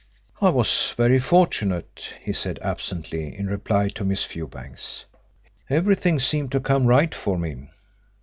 "I was very fortunate," he said absently, in reply to Miss Fewbanks. "Everything seemed to come right for me."